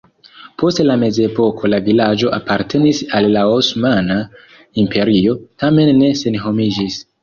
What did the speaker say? Post la mezepoko la vilaĝo apartenis al la Osmana Imperio, tamen ne senhomiĝis.